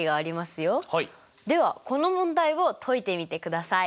ではこの問題を解いてみてください。